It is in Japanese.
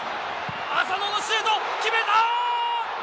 浅野のシュート、決めた。